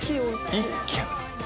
「一軒」。